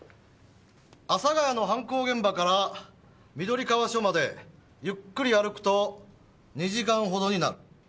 阿佐谷の犯行現場から緑川署までゆっくり歩くと２時間ほどになる。